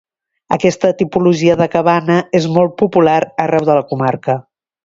Aquesta tipologia de cabana és molt popular arreu de la comarca.